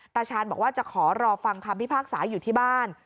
ตาชาญบอกว่าจะขอรอฟังคำพิพากษาอยู่ที่บ้าน